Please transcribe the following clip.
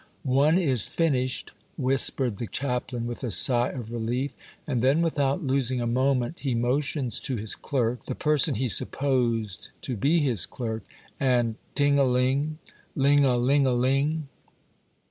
" One is finished," whispered the chaplain with a sigh of relief, and then, without losing a moment he motions to his clerk, the person he supposed to be his clerk, and — Ting a Hng ! Ling a ling a ling